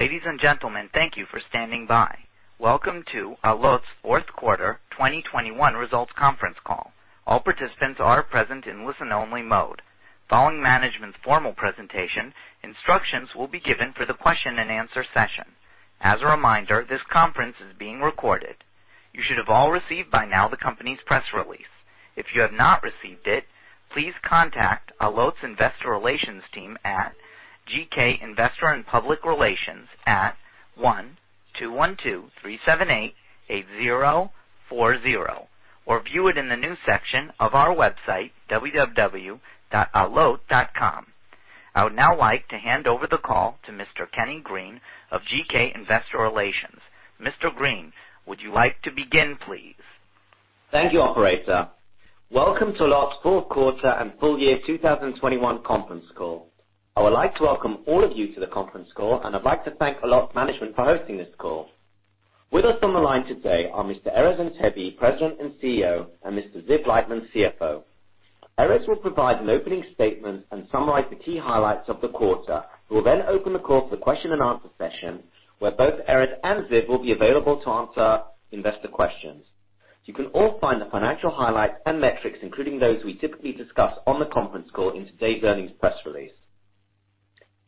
Ladies and gentlemen, thank you for standing by. Welcome to Allot's fourth quarter 2021 results conference call. All participants are present in listen-only mode. Following management's formal presentation, instructions will be given for the question-and-answer session. As a reminder, this conference is being recorded. You should have all received by now the company's press release. If you have not received it, please contact Allot's investor relations team at GK Investor and Public Relations at 1-212-378-8040, or view it in the news section of our website, www.allot.com. I would now like to hand over the call to Mr. Kenny Green of GK Investor Relations. Mr. Green, would you like to begin, please? Thank you, operator. Welcome to Allot's fourth quarter and full year 2021 conference call. I would like to welcome all of you to the conference call, and I'd like to thank Allot management for hosting this call. With us on the line today are Mr. Erez Antebi, President and CEO, and Mr. Ziv Mirmelstein, CFO. Erez will provide an opening statement and summarize the key highlights of the quarter. We'll then open the call to the question-and-answer session, where both Erez and Ziv will be available to answer investor questions. You can all find the financial highlights and metrics, including those we typically discuss on the conference call in today's earnings press release.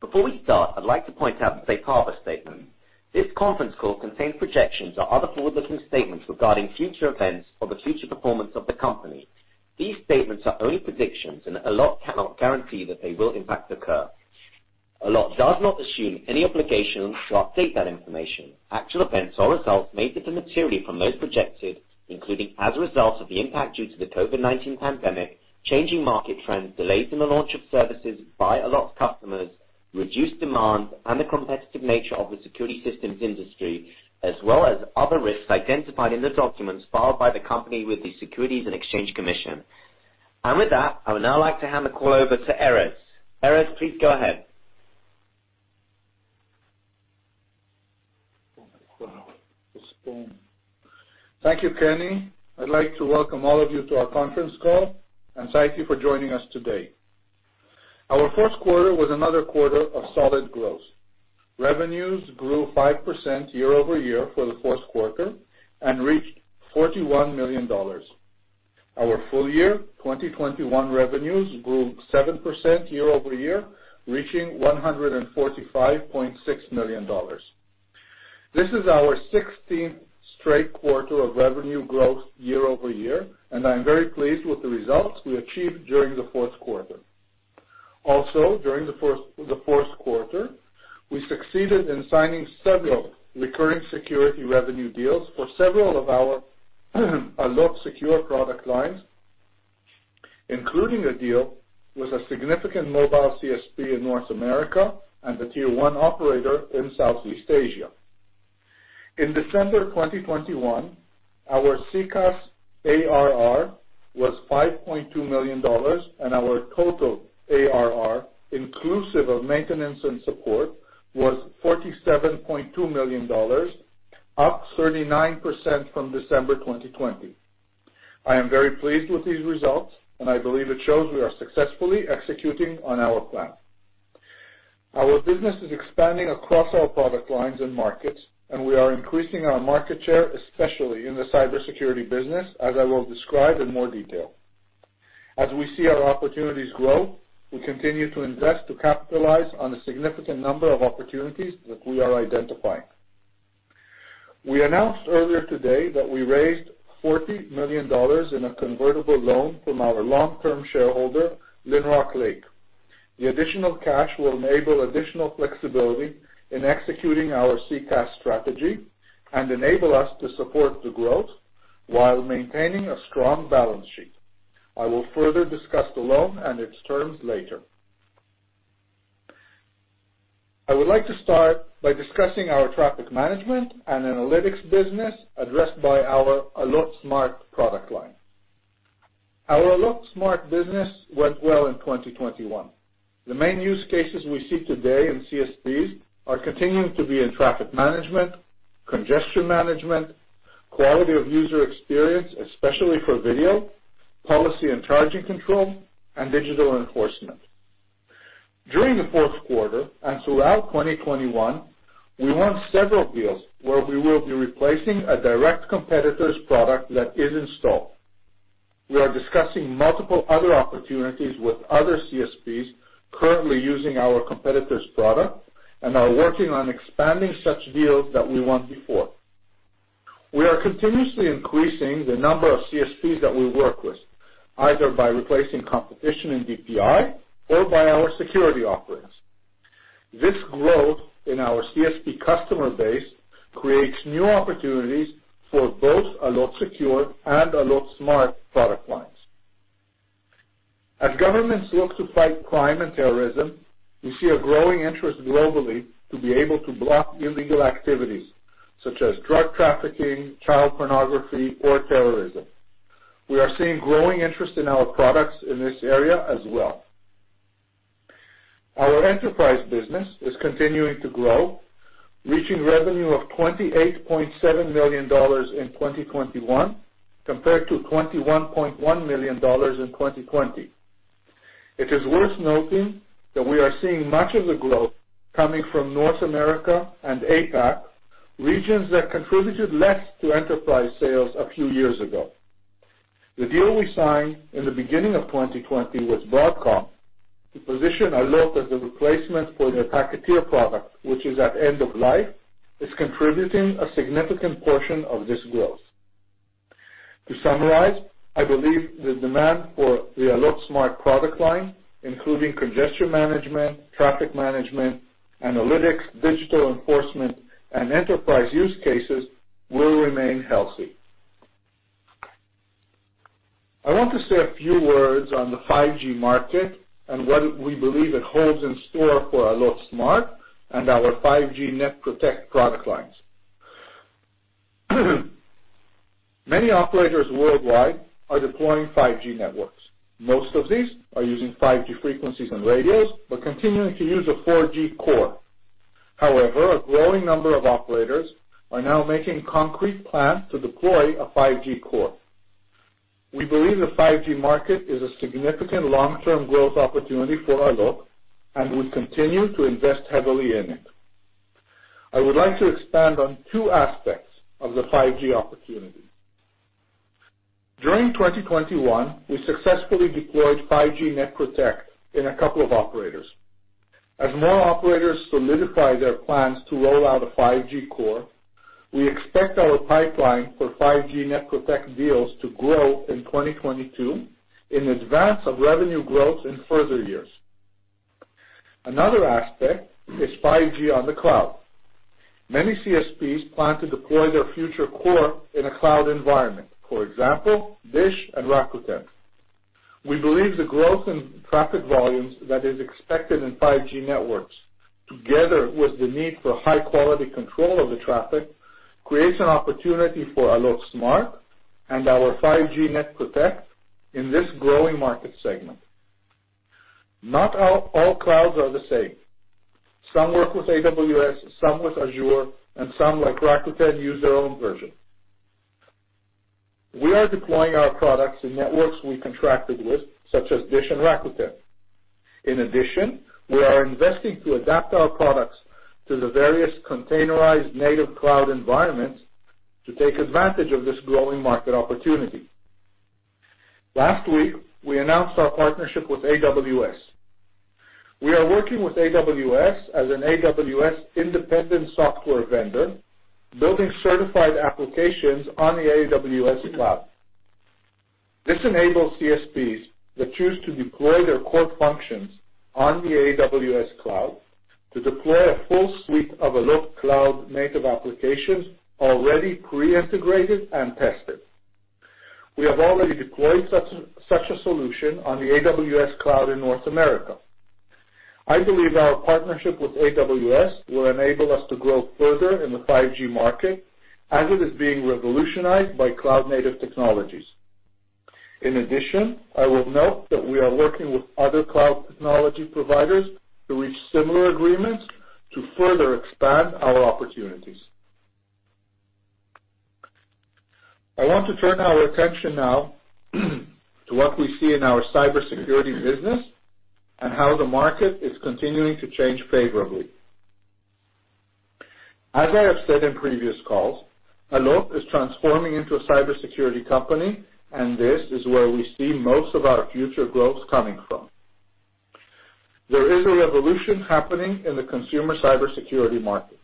Before we start, I'd like to point out the safe harbor statement. This conference call contains projections or other forward-looking statements regarding future events or the future performance of the company. These statements are only predictions, and Allot cannot guarantee that they will in fact occur. Allot does not assume any obligation to update that information. Actual events or results may differ materially from those projected, including as a result of the impact due to the COVID-19 pandemic, changing market trends, delays in the launch of services by Allot customers, reduced demand, and the competitive nature of the security systems industry, as well as other risks identified in the documents filed by the company with the Securities and Exchange Commission. With that, I would now like to hand the call over to Erez. Erez, please go ahead. Thank you, Kenny. I'd like to welcome all of you to our conference call and thank you for joining us today. Our fourth quarter was another quarter of solid growth. Revenues grew 5% year-over-year for the fourth quarter and reached $41 million. Our full year 2021 revenues grew 7% year-over-year, reaching $145.6 million. This is our 16th straight quarter of revenue growth year-over-year, and I'm very pleased with the results we achieved during the fourth quarter. Also, during the fourth quarter, we succeeded in signing several recurring security revenue deals for several of our Allot Secure product lines, including a deal with a significant mobile CSP in North America and a tier-one operator in Southeast Asia. In December 2021, our CCaaS ARR was $5.2 million, and our total ARR, inclusive of maintenance and support, was $47.2 million, up 39% from December 2020. I am very pleased with these results, and I believe it shows we are successfully executing on our plan. Our business is expanding across all product lines and markets, and we are increasing our market share, especially in the cybersecurity business, as I will describe in more detail. As we see our opportunities grow, we continue to invest to capitalize on the significant number of opportunities that we are identifying. We announced earlier today that we raised $40 million in a convertible loan from our long-term shareholder, Lynrock Lake. The additional cash will enable additional flexibility in executing our CCaaS strategy and enable us to support the growth while maintaining a strong balance sheet. I will further discuss the loan and its terms later. I would like to start by discussing our traffic management and analytics business addressed by our Allot Smart product line. Our Allot Smart business went well in 2021. The main use cases we see today in CSPs are continuing to be in traffic management, congestion management, quality of user experience, especially for video, policy and charging control, and digital enforcement. During the fourth quarter and throughout 2021, we won several deals where we will be replacing a direct competitor's product that is installed. We are discussing multiple other opportunities with other CSPs currently using our competitor's product and are working on expanding such deals that we won before. We are continuously increasing the number of CSPs that we work with, either by replacing competition in DPI or by our security offerings. This growth in our CSP customer base creates new opportunities for both Allot Secure and Allot Smart product lines. As governments look to fight crime and terrorism, we see a growing interest globally to be able to block illegal activities such as drug trafficking, child pornography, or terrorism. We are seeing growing interest in our products in this area as well. Our enterprise business is continuing to grow, reaching revenue of $28.7 million in 2021 compared to $21.1 million in 2020. It is worth noting that we are seeing much of the growth coming from North America and APAC, regions that contributed less to enterprise sales a few years ago. The deal we signed in the beginning of 2020 with Broadcom to position Allot as a replacement for their PacketShaper product, which is at end of life, is contributing a significant portion of this growth. To summarize, I believe the demand for the Allot Smart product line, including congestion management, traffic management, analytics, digital enforcement, and enterprise use cases will remain healthy. I want to say a few words on the 5G market and what we believe it holds in store for Allot Smart and our 5G NetProtect product lines. Many operators worldwide are deploying 5G networks. Most of these are using 5G frequencies and radios, but continuing to use a 4G core. However, a growing number of operators are now making concrete plans to deploy a 5G core. We believe the 5G market is a significant long-term growth opportunity for Allot, and we continue to invest heavily in it. I would like to expand on two aspects of the 5G opportunity. During 2021, we successfully deployed 5G NetProtect in a couple of operators. As more operators solidify their plans to roll out a 5G core, we expect our pipeline for 5G NetProtect deals to grow in 2022 in advance of revenue growth in further years. Another aspect is 5G on the cloud. Many CSPs plan to deploy their future core in a cloud environment, for example, Dish and Rakuten. We believe the growth in traffic volumes that is expected in 5G networks, together with the need for high quality control of the traffic, creates an opportunity for Allot Smart and our 5G NetProtect in this growing market segment. Not all clouds are the same. Some work with AWS, some with Azure, and some, like Rakuten, use their own version. We are deploying our products in networks we contracted with such as DISH and Rakuten. In addition, we are investing to adapt our products to the various containerized native cloud environments to take advantage of this growing market opportunity. Last week, we announced our partnership with AWS. We are working with AWS as an AWS independent software vendor, building certified applications on the AWS cloud. This enables CSPs that choose to deploy their core functions on the AWS cloud to deploy a full suite of Allot cloud native applications already pre-integrated and tested. We have already deployed such a solution on the AWS cloud in North America. I believe our partnership with AWS will enable us to grow further in the 5G market as it is being revolutionized by cloud native technologies. In addition, I will note that we are working with other cloud technology providers to reach similar agreements to further expand our opportunities. I want to turn our attention now to what we see in our cybersecurity business and how the market is continuing to change favorably. As I have said in previous calls, Allot is transforming into a cybersecurity company, and this is where we see most of our future growth coming from. There is a revolution happening in the consumer cybersecurity market.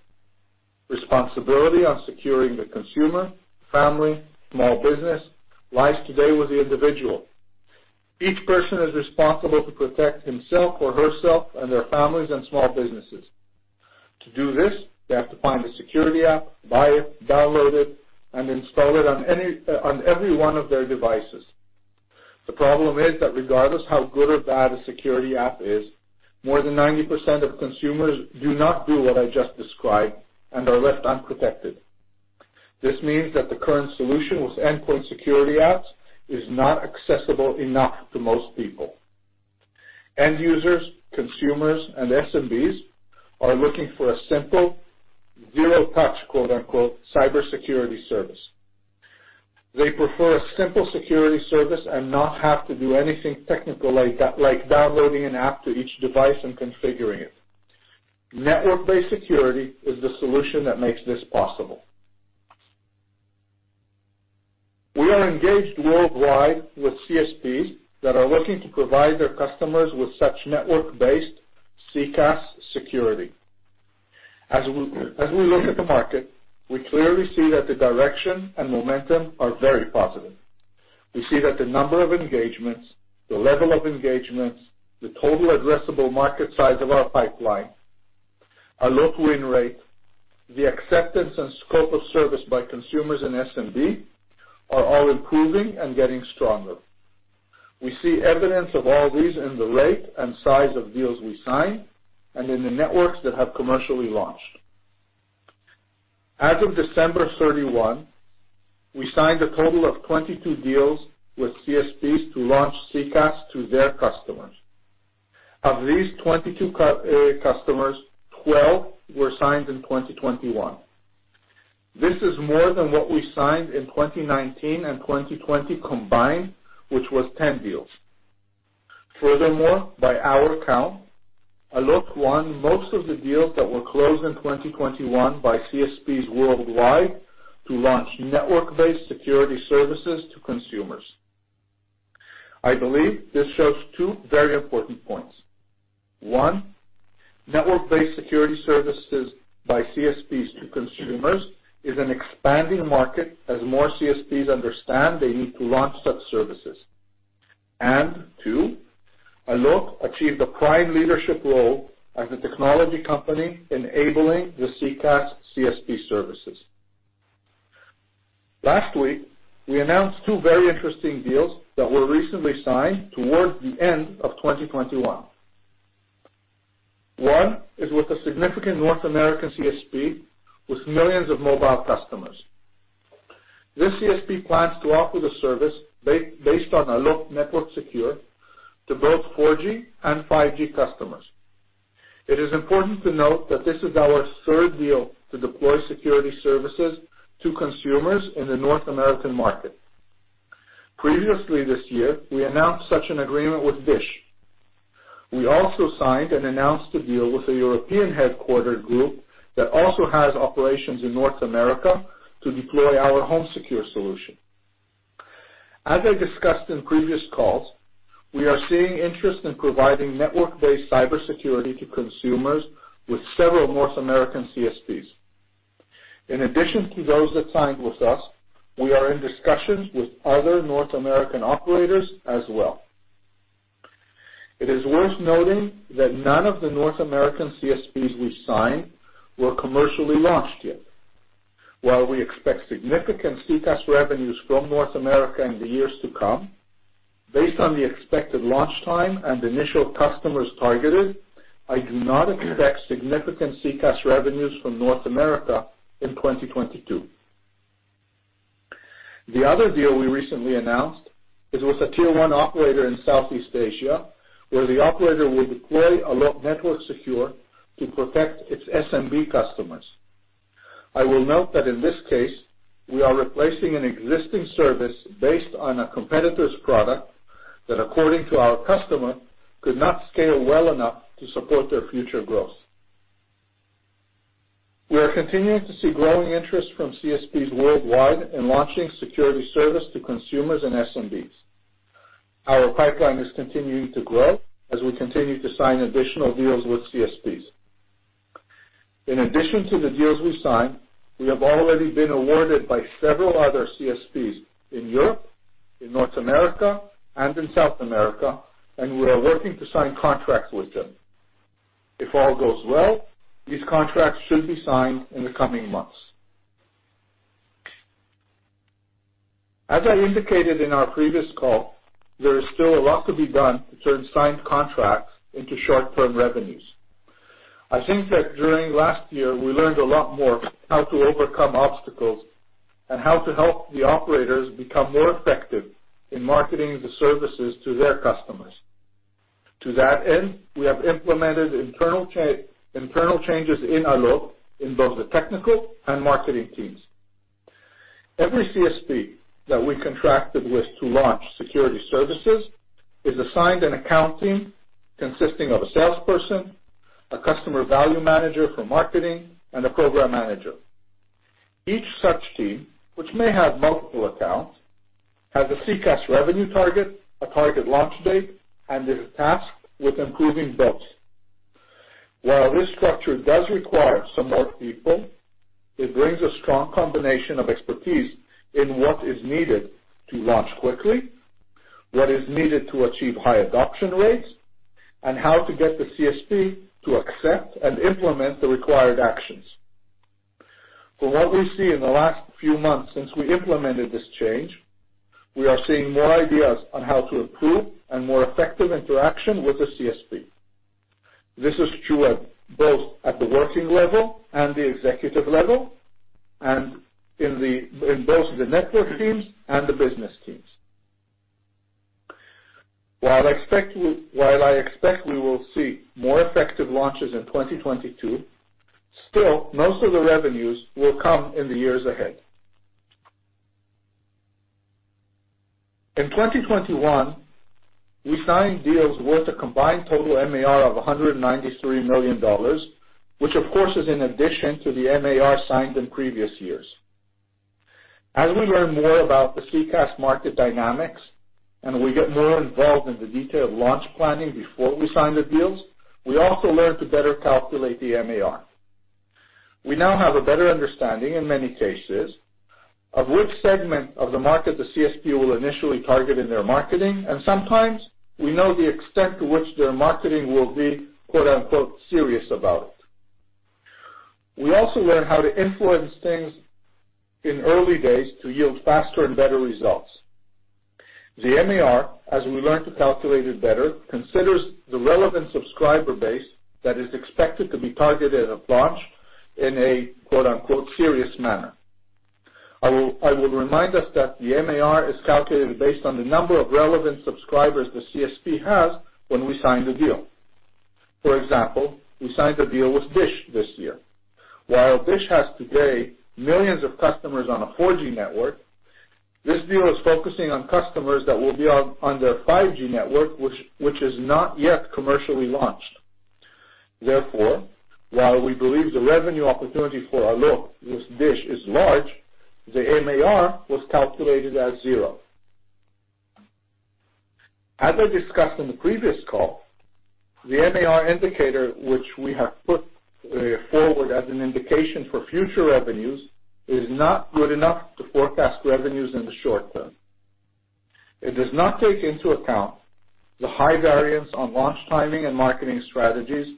Responsibility on securing the consumer, family, small business lies today with the individual. Each person is responsible to protect himself or herself and their families and small businesses. To do this, they have to find a security app, buy it, download it, and install it on any, on every one of their devices. The problem is that regardless how good or bad a security app is, more than 90% of consumers do not do what I just described and are left unprotected. This means that the current solution with endpoint security apps is not accessible enough to most people. End users, consumers, and SMBs are looking for a simple zero touch, quote-unquote, “cybersecurity service.” They prefer a simple security service and not have to do anything technical like downloading an app to each device and configuring it. Network-based security is the solution that makes this possible. We are engaged worldwide with CSPs that are looking to provide their customers with such network-based SECaaS security. As we look at the market, we clearly see that the direction and momentum are very positive. We see that the number of engagements, the level of engagements, the total addressable market size of our pipeline, our look-to-win rate, the acceptance and scope of service by consumers and SMB are all improving and getting stronger. We see evidence of all these in the rate and size of deals we sign and in the networks that have commercially launched. As of December 31, we signed a total of 22 deals with CSPs to launch CCaaS to their customers. Of these 22 customers, 12 were signed in 2021. This is more than what we signed in 2019 and 2020 combined, which was 10 deals. Furthermore, by our count, Allot won most of the deals that were closed in 2021 by CSPs worldwide to launch network-based security services to consumers. I believe this shows two very important points. One, network-based security services by CSPs to consumers is an expanding market as more CSPs understand they need to launch such services. Two, Allot achieved a prime leadership role as a technology company enabling the SECaaS CSP services. Last week, we announced two very interesting deals that were recently signed towards the end of 2021. One is with a significant North American CSP with millions of mobile customers. This CSP plans to offer the service based on Allot NetworkSecure to both 4G and 5G customers. It is important to note that this is our third deal to deploy security services to consumers in the North American market. Previously this year, we announced such an agreement with Dish. We also signed and announced a deal with a European headquartered group that also has operations in North America to deploy our HomeSecure solution. As I discussed in previous calls, we are seeing interest in providing network-based cybersecurity to consumers with several North American CSPs. In addition to those that signed with us, we are in discussions with other North American operators as well. It is worth noting that none of the North American CSPs we signed were commercially launched yet. While we expect significant SECaaS revenues from North America in the years to come, based on the expected launch time and initial customers targeted, I do not expect significant SECaaS revenues from North America in 2022. The other deal we recently announced is with a tier one operator in Southeast Asia, where the operator will deploy Allot NetworkSecure to protect its SMB customers. I will note that in this case, we are replacing an existing service based on a competitor's product that, according to our customer, could not scale well enough to support their future growth. We are continuing to see growing interest from CSPs worldwide in launching security service to consumers and SMBs. Our pipeline is continuing to grow as we continue to sign additional deals with CSPs. In addition to the deals we signed, we have already been awarded by several other CSPs in Europe, in North America, and in South America, and we are working to sign contracts with them. If all goes well, these contracts should be signed in the coming months. As I indicated in our previous call, there is still a lot to be done to turn signed contracts into short-term revenues. I think that during last year we learned a lot more how to overcome obstacles and how to help the operators become more effective in marketing the services to their customers. To that end, we have implemented internal changes in Allot in both the technical and marketing teams. Every CSP that we contracted with to launch security services is assigned an account team consisting of a salesperson, a customer value manager for marketing, and a program manager. Each such team, which may have multiple accounts, has a CCaaS revenue target, a target launch date, and is tasked with improving both. While this structure does require some more people, it brings a strong combination of expertise in what is needed to launch quickly, what is needed to achieve high adoption rates, and how to get the CSP to accept and implement the required actions. From what we see in the last few months since we implemented this change, we are seeing more ideas on how to improve and more effective interaction with the CSP. This is true at both the working level and the executive level, and in both the network teams and the business teams. While I expect we will see more effective launches in 2022, still, most of the revenues will come in the years ahead. In 2021, we signed deals worth a combined total MAR of $193 million, which of course is in addition to the MAR signed in previous years. As we learn more about the CCaaS market dynamics, and we get more involved in the detailed launch planning before we sign the deals, we also learn to better calculate the MAR. We now have a better understanding, in many cases, of which segment of the market the CSP will initially target in their marketing, and sometimes we know the extent to which their marketing will be, quote unquote, serious about it. We also learn how to influence things in early days to yield faster and better results. The MAR, as we learn to calculate it better, considers the relevant subscriber base that is expected to be targeted at launch in a, quote unquote, serious manner. I will remind us that the MAR is calculated based on the number of relevant subscribers the CSP has when we sign the deal. For example, we signed a deal with Dish this year. While Dish has today millions of customers on a 4G network, this deal is focusing on customers that will be on their 5G network, which is not yet commercially launched. Therefore, while we believe the revenue opportunity for Allot with Dish is large, the MAR was calculated as 0. As I discussed in the previous call, the MAR indicator, which we have put forward as an indication for future revenues, is not good enough to forecast revenues in the short term. It does not take into account the high variance on launch timing and marketing strategies,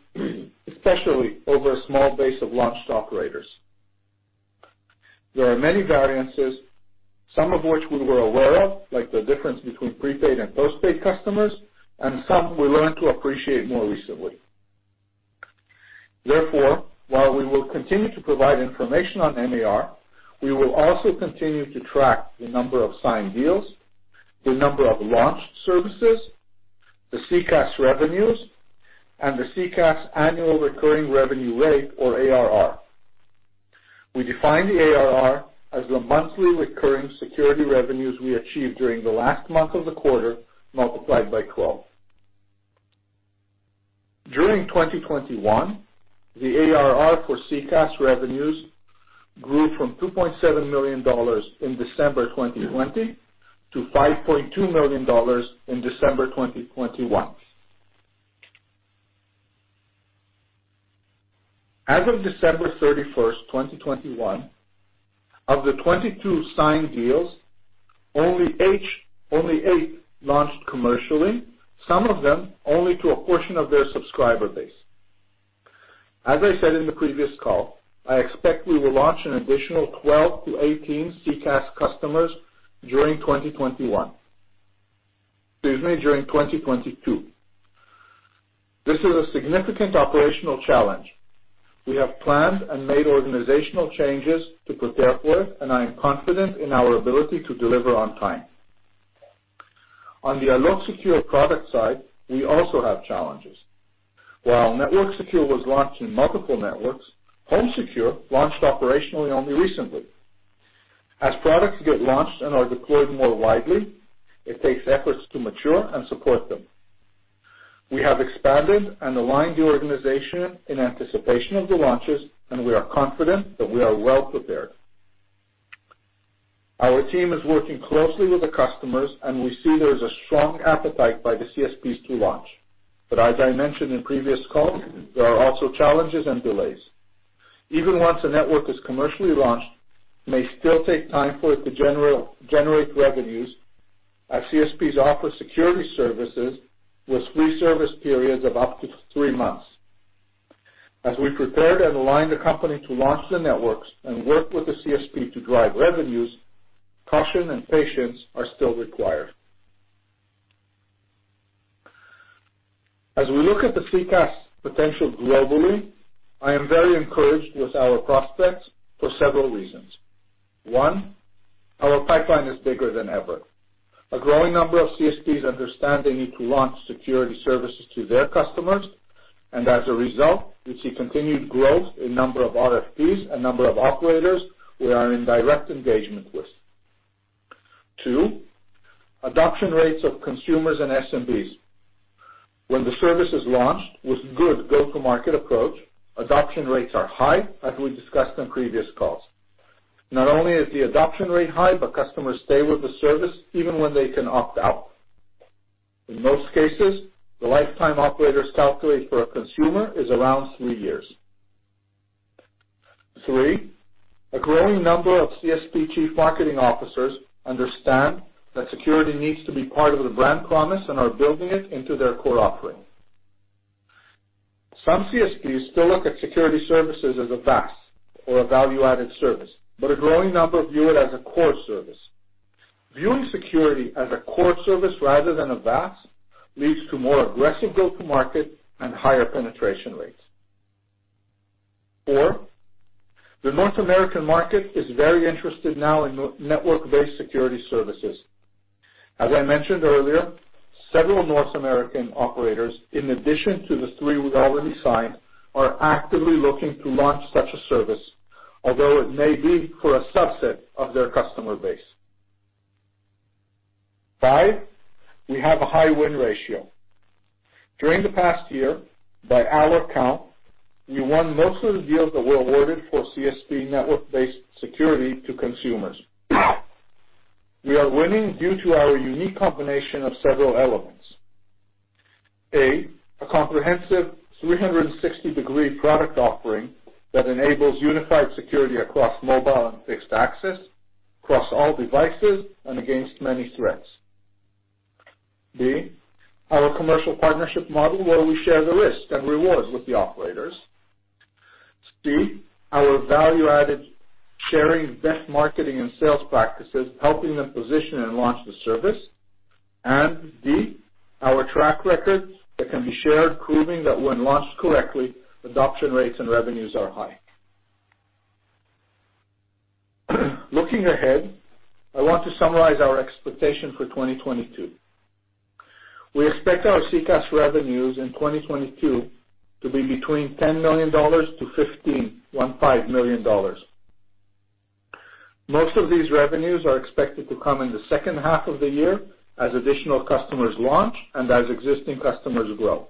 especially over a small base of launched operators. There are many variances, some of which we were aware of, like the difference between prepaid and postpaid customers, and some we learned to appreciate more recently. Therefore, while we will continue to provide information on MAR, we will also continue to track the number of signed deals, the number of launched services, the CCaaS revenues, and the CCaaS annual recurring revenue rate, or ARR. We define the ARR as the monthly recurring security revenues we achieved during the last month of the quarter, multiplied by 12. During 2021, the ARR for CCaaS revenues grew from $2.7 million in December 2020 to $5.2 million in December 2021. As of December 31, 2021, of the 22 signed deals, only eight launched commercially, some of them only to a portion of their subscriber base. As I said in the previous call, I expect we will launch an additional 12-18 CCaaS customers during 2021. Excuse me, during 2022. This is a significant operational challenge. We have planned and made organizational changes to prepare for it, and I am confident in our ability to deliver on time. On the Allot Secure product side, we also have challenges. While NetworkSecure was launched in multiple networks, HomeSecure launched operationally only recently. As products get launched and are deployed more widely, it takes efforts to mature and support them. We have expanded and aligned the organization in anticipation of the launches, and we are confident that we are well prepared. Our team is working closely with the customers, and we see there is a strong appetite by the CSPs to launch. As I mentioned in previous calls, there are also challenges and delays. Even once a network is commercially launched, it may still take time for it to generate revenues as CSPs offer security services with free service periods of up to three months. As we prepared and aligned the company to launch the networks and work with the CSP to drive revenues, caution and patience are still required. As we look at the SECaaS potential globally, I am very encouraged with our prospects for several reasons. One, our pipeline is bigger than ever. A growing number of CSPs understand they need to launch security services to their customers. As a result, we see continued growth in number of RFPs, and number of operators we are in direct engagement with. Two, adoption rates of consumers and SMBs. When the service is launched with good go-to-market approach, adoption rates are high, as we discussed on previous calls. Not only is the adoption rate high, but customers stay with the service even when they can opt out. In most cases, the lifetime that operators calculate for a consumer is around three years. three, a growing number of CSP chief marketing officers understand that security needs to be part of the brand promise and are building it into their core offering. Some CSPs still look at security services as a VAS or a value-added service, but a growing number view it as a core service. Viewing security as a core service rather than a VAS leads to more aggressive go-to-market and higher penetration rates. four, the North American market is very interested now in network-based security services. As I mentioned earlier, several North American operators, in addition to the three we've already signed, are actively looking to launch such a service, although it may be for a subset of their customer base. five, we have a high win ratio. During the past year, by our count, we won most of the deals that were awarded for CSP network-based security to consumers. We are winning due to our unique combination of several elements. A, a comprehensive 360-degree product offering that enables unified security across mobile and fixed access, across all devices, and against many threats. B, our commercial partnership model where we share the risks and rewards with the operators. C, our value-added sharing best marketing and sales practices, helping them position and launch the service. D, our track records that can be shared proving that when launched correctly, adoption rates and revenues are high. Looking ahead, I want to summarize our expectation for 2022. We expect our CCaaS revenues in 2022 to be between $10 million-$15 million. Most of these revenues are expected to come in the second half of the year as additional customers launch and as existing customers grow.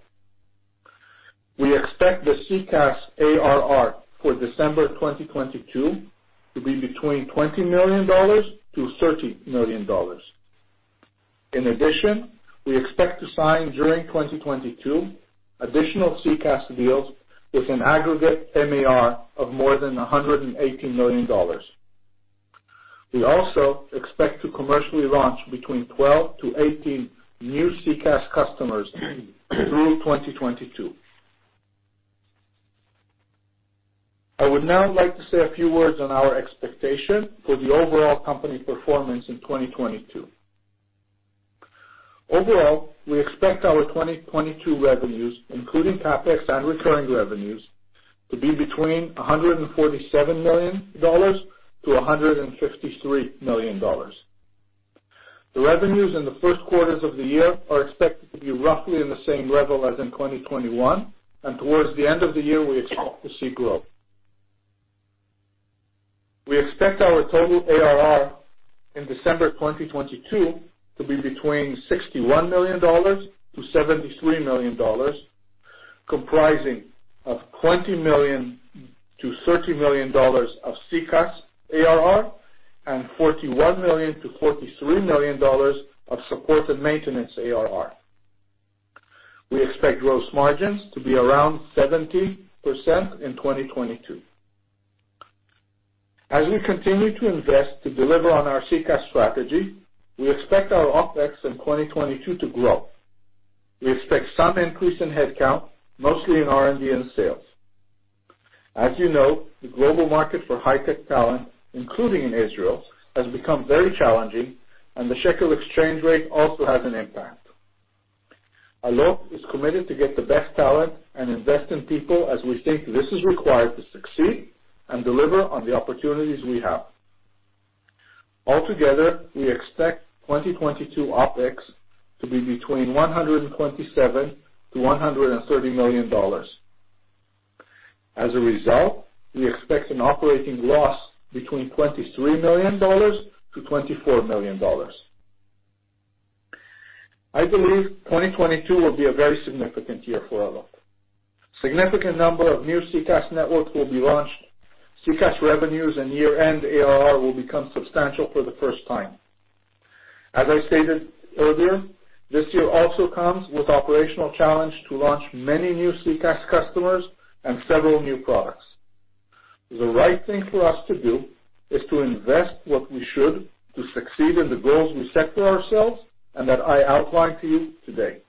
We expect the CCaaS ARR for December 2022 to be between $20 million-$30 million. In addition, we expect to sign during 2022 additional CCaaS deals with an aggregate MAR of more than $180 million. We also expect to commercially launch between 12-18 new CCaaS customers through 2022. I would now like to say a few words on our expectation for the overall company performance in 2022. Overall, we expect our 2022 revenues, including CapEx and recurring revenues, to be between $147 million to $153 million. The revenues in the first quarters of the year are expected to be roughly in the same level as in 2021, and towards the end of the year, we expect to see growth. We expect our total ARR in December 2022 to be between $61 million to $73 million, comprising of $20 million to $30 million of CCaaS ARR and $41 million to $43 million of support and maintenance ARR. We expect gross margins to be around 70% in 2022. As we continue to invest to deliver on our CCaaS strategy, we expect our OpEx in 2022 to grow. We expect some increase in head count, mostly in R&D and sales. As you know, the global market for high-tech talent, including in Israel, has become very challenging and the shekel exchange rate also has an impact. Allot is committed to get the best talent and invest in people as we think this is required to succeed and deliver on the opportunities we have. Altogether, we expect 2022 OpEx to be between $127 million to $130 million. As a result, we expect an operating loss between $23 million to $24 million. I believe 2022 will be a very significant year for Allot. Significant number of new CCaaS network will be launched. CCaaS revenues and year-end ARR will become substantial for the first time. As I stated earlier, this year also comes with operational challenge to launch many new CCaaS customers and several new products. The right thing for us to do is to invest what we should to succeed in the goals we set for ourselves and that I outlined to you today.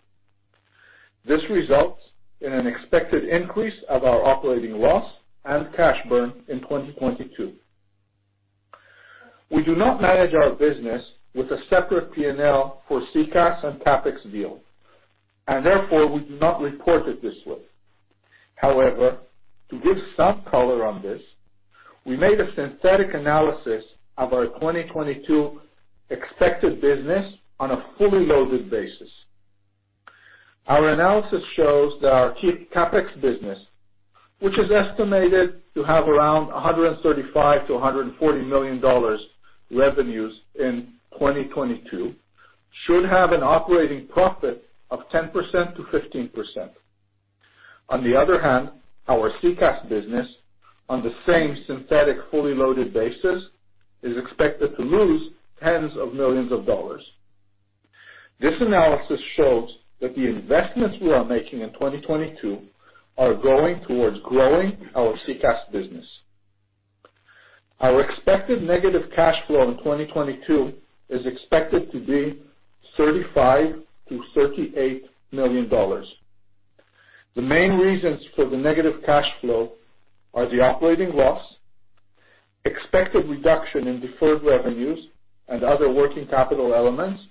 This results in an expected increase of our operating loss and cash burn in 2022. We do not manage our business with a separate P&L for CCaaS and CapEx deal, and therefore, we do not report it this way. However, to give some color on this, we made a synthetic analysis of our 2022 expected business on a fully loaded basis. Our analysis shows that our C-CapEx business, which is estimated to have around $135 million-$140 million revenues in 2022, should have an operating profit of 10%-15%. Our CCaaS business on the same synthetic fully loaded basis is expected to lose tens of millions of dollars. This analysis shows that the investments we are making in 2022 are going towards growing our CCaaS business. Our expected negative cash flow in 2022 is expected to be $35 million-$38 million. The main reasons for the negative cash flow are the operating loss, expected reduction in deferred revenues and other working capital elements,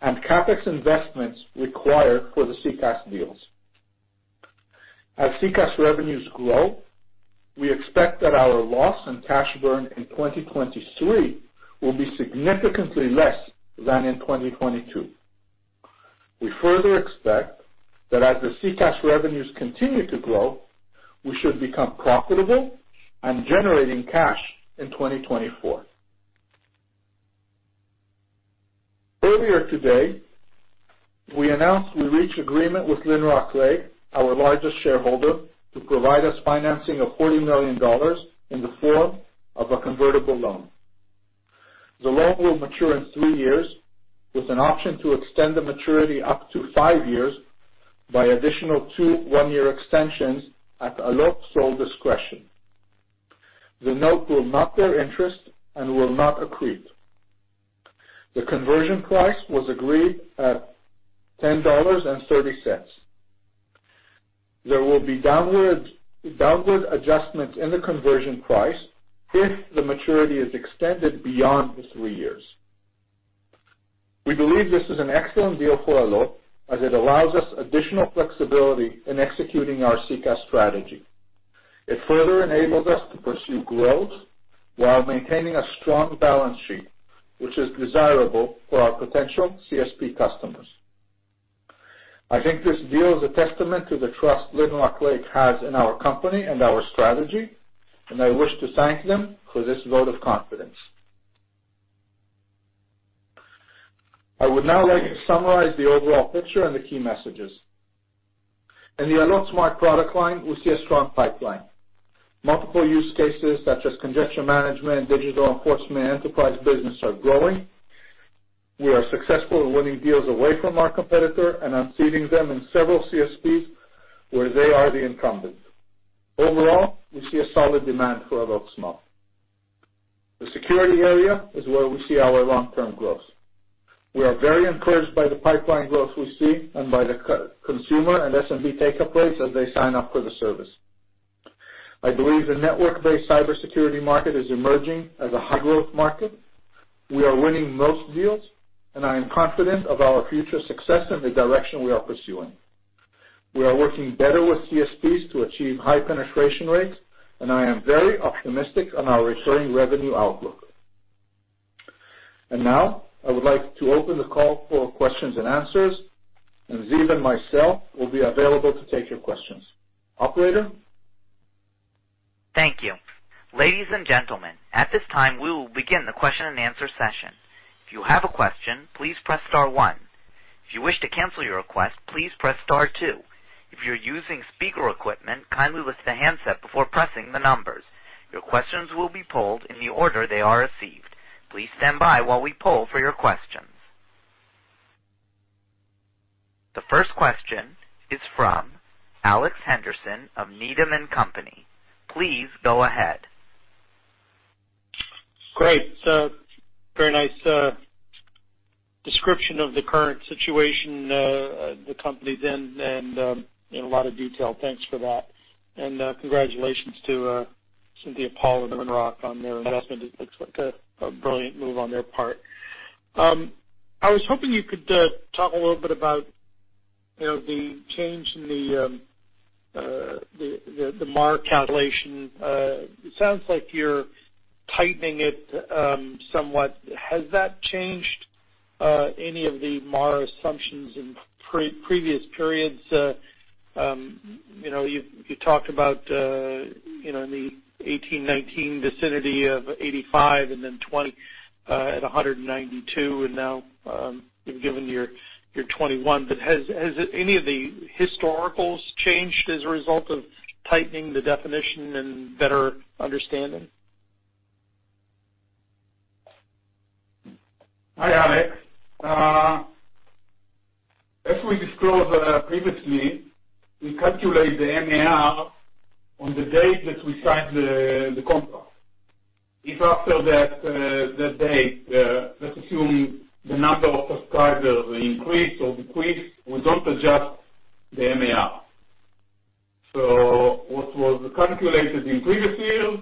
and CapEx investments required for the CCaaS deals. As CCaaS revenues grow, we expect that our loss in cash burn in 2023 will be significantly less than in 2022. We further expect that as the CCaaS revenues continue to grow, we should become profitable and generating cash in 2024. Earlier today, we announced we reached agreement with Lynrock Lake, our largest shareholder, to provide us financing of $40 million in the form of a convertible loan. The loan will mature in three years with an option to extend the maturity up to five years by additional two one year extensions at Allot sole discretion. The note will not bear interest and will not accrete. The conversion price was agreed at $10.30. There will be downward adjustments in the conversion price if the maturity is extended beyond the three years. We believe this is an excellent deal for Allot as it allows us additional flexibility in executing our CCAS strategy. It further enables us to pursue growth while maintaining a strong balance sheet, which is desirable for our potential CSP customers. I think this deal is a testament to the trust Lynrock Lake has in our company and our strategy, and I wish to thank them for this vote of confidence. I would now like to summarize the overall picture and the key messages. In the Allot Smart product line, we see a strong pipeline. Multiple use cases such as congestion management, digital enforcement, enterprise business are growing. We are successful in winning deals away from our competitor and unseating them in several CSPs where they are the incumbents. Overall, we see a solid demand for Allot Smart. The security area is where we see our long-term growth. We are very encouraged by the pipeline growth we see and by the consumer and SMB take-up rates as they sign up for the service. I believe the network-based cybersecurity market is emerging as a high-growth market. We are winning most deals, and I am confident of our future success in the direction we are pursuing. We are working better with CSPs to achieve high penetration rates, and I am very optimistic on our recurring revenue outlook. Now I would like to open the call for questions and answers, and Ziv and myself will be available to take your questions. Operator. Thank you. Ladies and gentlemen, at this time, we will begin the question-and-answer session. If you have a question, please press star one. If you wish to cancel your request, please press star two. If you're using speaker equipment, kindly lift the handset before pressing the numbers. Your questions will be polled in the order they are received. Please stand by while we poll for your questions. The first question is from Alex Henderson of Needham & Company. Please go ahead. Great. Very nice description of the current situation the company's in and in a lot of detail. Thanks for that. Congratulations to Cynthia Paul and Lynrock on their investment. It looks like a brilliant move on their part. I was hoping you could talk a little bit about, you know, the change in the MAR calculation. It sounds like you're tightening it somewhat. Has that changed any of the MAR assumptions in previous periods? You know, you talked about, you know, in the 2018, 2019 vicinity of 85 and then 2020 at 192, and now you've given your 2021. But has any of the historicals changed as a result of tightening the definition and better understanding? Hi, Alex. As we disclosed previously, we calculate the MAR on the date that we sign the contract. If after that date, let's assume the number of subscribers increase or decrease, we don't adjust the MAR. What was calculated in previous years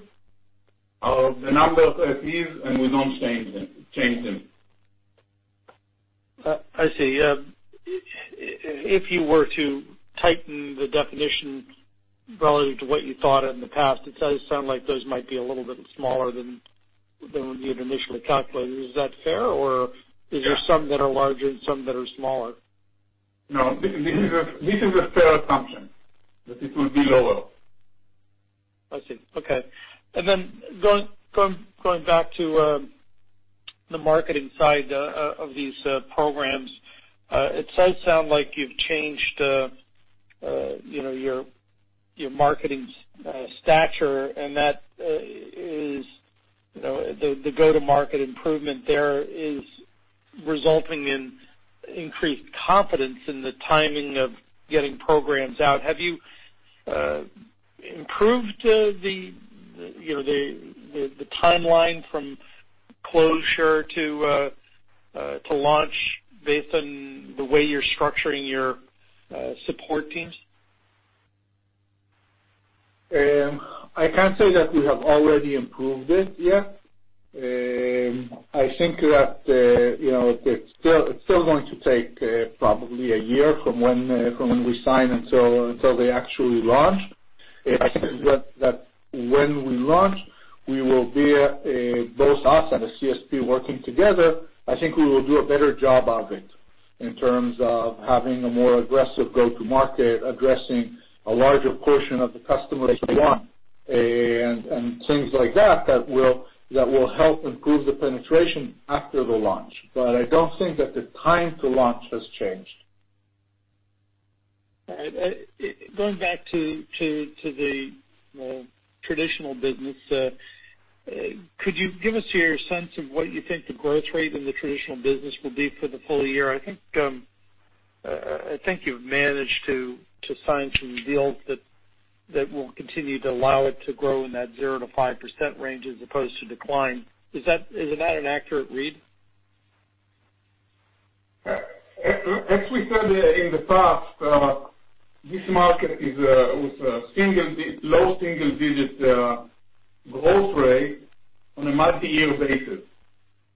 are the numbers as is, and we don't change them. I see. If you were to tighten the definition relative to what you thought in the past, it does sound like those might be a little bit smaller than what you had initially calculated. Is that fair? Or is there some that are larger and some that are smaller? No. This is a fair assumption that it will be lower. I see. Okay. Going back to the marketing side of these programs, it does sound like you've changed you know your marketing strategy, and that is you know the go-to-market improvement there is resulting in increased confidence in the timing of getting programs out. Have you improved you know the timeline from closure to launch based on the way you're structuring your support teams? I can't say that we have already improved it yet. I think that, you know, it's still going to take probably a year from when we sign until they actually launch. I think that when we launch, we will be both us and the CSP working together. I think we will do a better job of it in terms of having a more aggressive go-to-market, addressing a larger portion of the customers we want, and things like that that will help improve the penetration after the launch. I don't think that the time to launch has changed. Going back to the well, traditional business, could you give us your sense of what you think the growth rate in the traditional business will be for the full year? I think you've managed to sign some deals that will continue to allow it to grow in that 0%-5% range as opposed to decline. Is that an accurate read? As we said in the past, this market is with low single-digit Growth rate on a multi-year basis,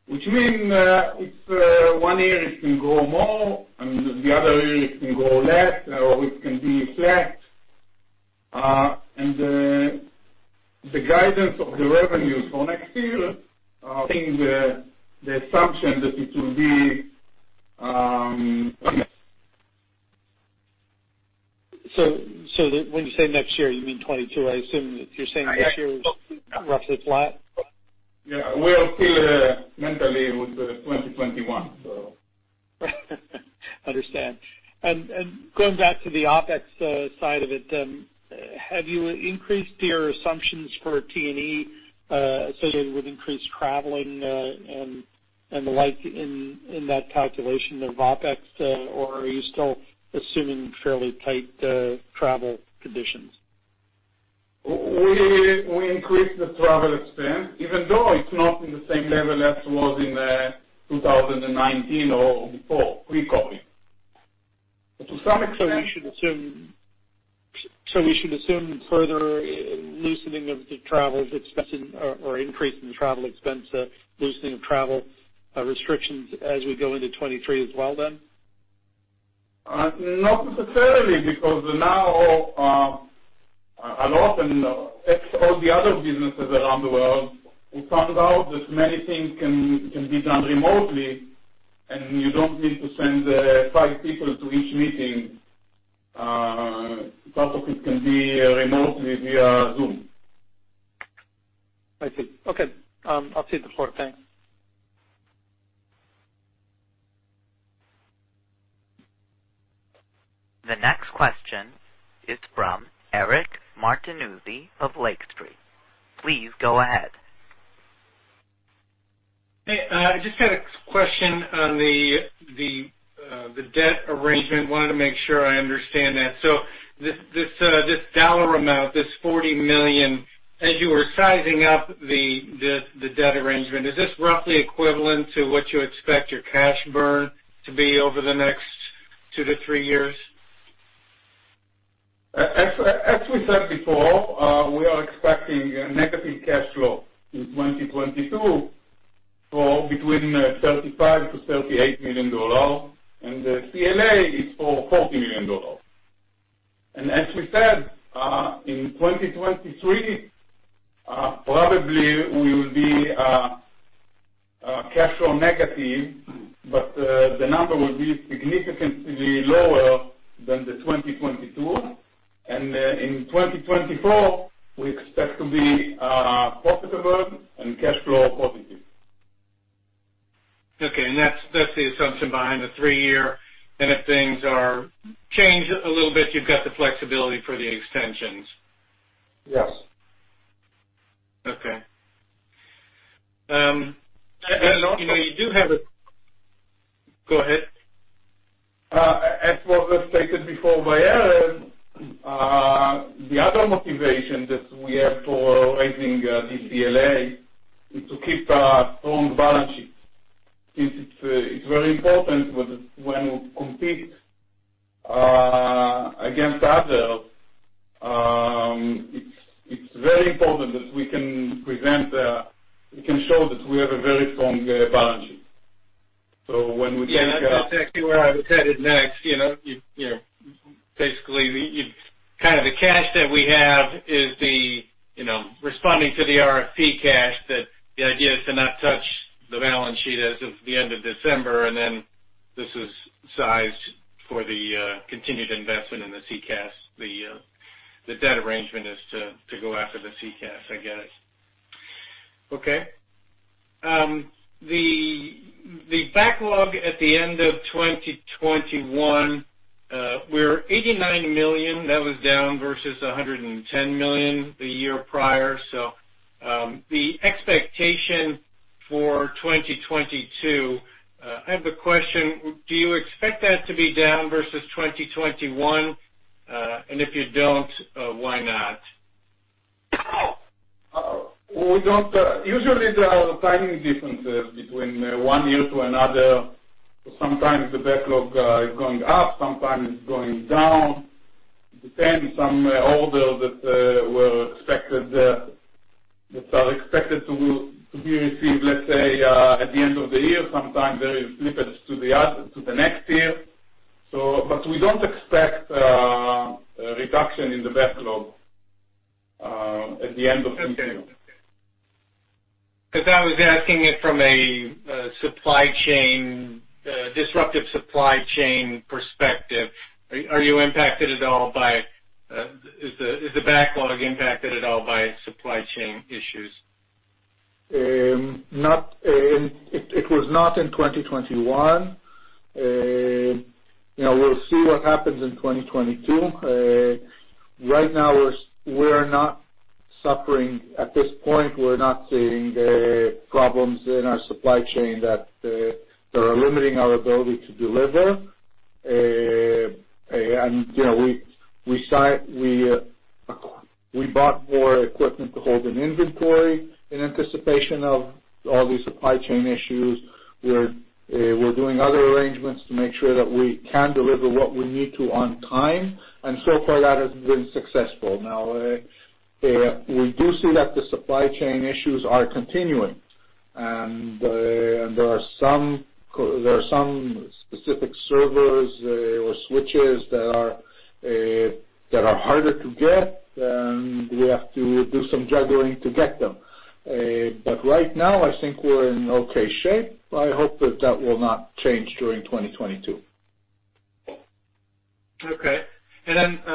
which mean it's one year it can grow more, and the other year it can grow less, or it can be flat. The guidance of the revenues for next year seeing the assumption that it will be. When you say next year, you mean 2022. I assume that you're saying this year is roughly flat. Yeah. We are still mentally with the 2021, so. Understand. Going back to the OpEx side of it, have you increased your assumptions for T&E associated with increased traveling, and the like in that calculation of OpEx, or are you still assuming fairly tight travel conditions? We increased the travel expense, even though it's not in the same level as it was in 2019 or before, pre-COVID. To some extent. You should assume loosening of travel restrictions as we go into 2023 as well then? Not necessarily because now, Allot and all the other businesses around the world, we found out that many things can be done remotely, and you don't need to send five people to each meeting. Part of it can be done remotely via Zoom. I see. Okay. I'll cede the floor. Thanks. The next question is from Eric Martinuzzi of Lake Street. Please go ahead. Hey, I just got a question on the debt arrangement. I wanted to make sure I understand that. This dollar amount, this $40 million, as you were sizing up the debt arrangement, is this roughly equivalent to what you expect your cash burn to be over the next two to three years? As we said before, we are expecting a negative cash flow in 2022 for between $35 million-$38 million, and the CLA is for $40 million. As we said, in 2023, probably we will be cash flow negative, but the number will be significantly lower than the 2022. In 2024, we expect to be profitable and cash flow positive. Okay. That's the assumption behind the three-year, and if things are changed a little bit, you've got the flexibility for the extensions. Yes. Okay. And also- You know, go ahead. As was stated before by Erez Antebi, the other motivation that we have for raising this CLA is to keep a strong balance sheet since it's very important when we compete against others, it's very important that we can present we can show that we have a very strong balance sheet. When we take- Yeah. That's actually where I was headed next. You know, basically, kind of the cash that we have is the you know responding to the RFP cash that the idea is to not touch the balance sheet as of the end of December, and then this is sized for the continued investment in the SECaaS, the debt arrangement is to go after the SECaaS, I guess. Okay. The backlog at the end of 2021 were $89 million. That was down versus $110 million the year prior. The expectation for 2022, I have a question. Do you expect that to be down versus 2021? If you don't, why not? Usually there are timing differences between one year to another. Sometimes the backlog is going up, sometimes it's going down. It depends. Some orders that are expected to be received, let's say, at the end of the year, sometimes they will slip to the next year. We don't expect a reduction in the backlog at the end of 2022. Okay. 'Cause I was asking it from a supply chain disruptive supply chain perspective. Are you impacted at all by is the backlog impacted at all by supply chain issues? It was not in 2021. You know, we'll see what happens in 2022. Right now we're not suffering. At this point, we're not seeing the problems in our supply chain that are limiting our ability to deliver. You know, we bought more equipment to hold in inventory in anticipation of all these supply chain issues. We're doing other arrangements to make sure that we can deliver what we need to on time, and so far that has been successful. Now, we do see that the supply chain issues are continuing, and there are some specific servers or switches that are harder to get, and we have to do some juggling to get them. Right now I think we're in okay shape. I hope that will not change during 2022. Okay.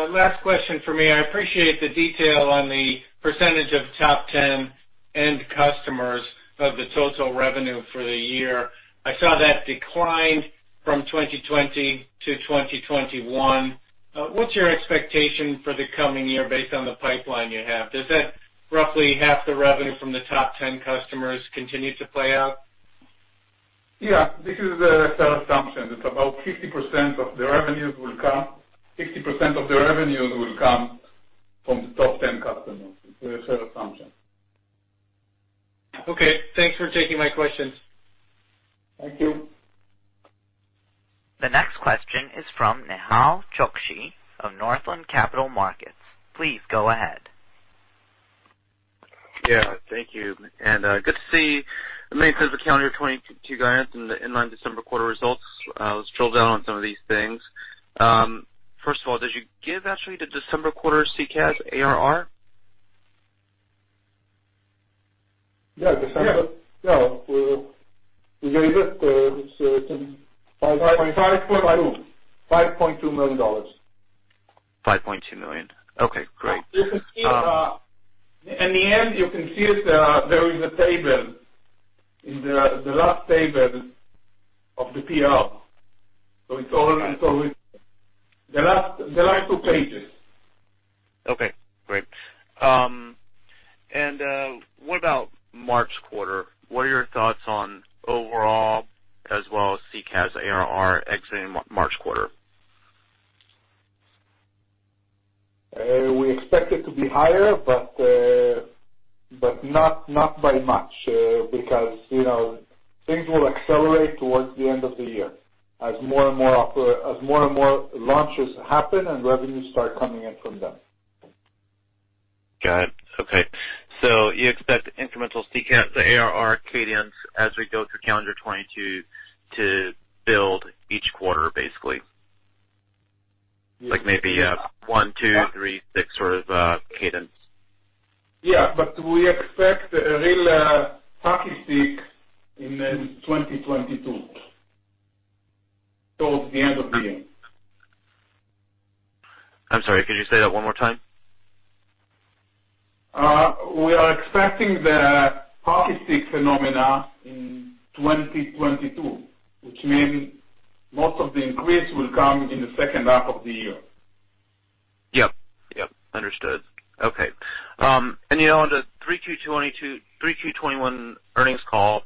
Last question for me. I appreciate the detail on the percentage of top 10 end customers of the total revenue for the year. I saw that declined from 2020 to 2021. What's your expectation for the coming year based on the pipeline you have? Does that roughly half the revenue from the top 10 customers continue to play out? Yeah. This is the third assumption. Fifty percent of the revenues will come from the top 10 customers. Okay, thanks for taking my questions. Thank you. The next question is from Nehal Chokshi of Northland Capital Markets. Please go ahead. Thank you, good to see the in-line close of calendar 2022 guidance and the in-line December quarter results. Let's drill down on some of these things. First of all, did you give actually the December quarter SECaaS ARR? Yeah. December. Yeah. No. We gave it. It's in 5 point- $5.2 million. $5.2 million. Okay, great. You can see it in the end. There is a table in the last table of the PR. It's all with the last two pages. Okay, great. What about March quarter? What are your thoughts on overall as well as SECaaS ARR exiting March quarter? We expect it to be higher, but not by much, because, you know, things will accelerate towards the end of the year as more and more launches happen and revenues start coming in from them. Got it. Okay. You expect incremental SECaaS ARR cadence as we go through calendar 2022 to build each quarter, basically? Yes. Like maybe one, two, three, six sort of cadence. We expect a real hockey stick in 2022, towards the end of the year. I'm sorry, could you say that one more time? We are expecting the hockey stick phenomenon in 2022, which means most of the increase will come in the second half of the year. Yep. Understood. Okay. You know, on the 3Q 2021 earnings call,